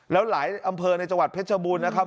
แล้วหลายอำเภอในจังหวัดเพชรบูรณ์นะครับ